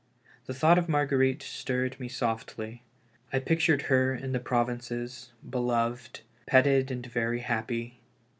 The thought of Marguerite stirred me softly. I pic tured her in the provinces beloved, petted and very happy.